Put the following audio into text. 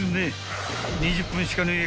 ［２０分しかねえ］